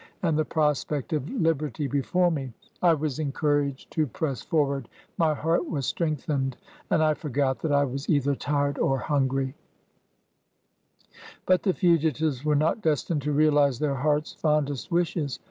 and the prospect of liberty before me, I AX AMERICAN B0XBMAX. 31 was encouraged to press forward : my heart was strength ened, and I forgot that I was either tired or hungry/'' But the fugitives were not destined to realize their hearts' fondest wishes.